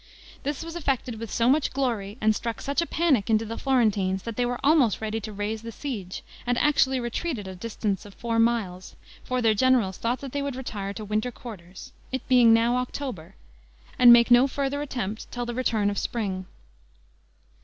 This was effected with so much glory, and struck such a panic into the Florentines, that they were almost ready to raise the siege, and actually retreated a distance of four miles; for their generals thought that they would retire to winter quarters, it being now October, and make no further attempt till the return of spring.